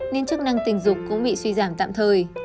nên chức năng tình dục cũng bị suy giảm tạm thời